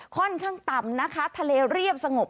ค่อนข้างต่ำนะคะทะเลเรียบสงบ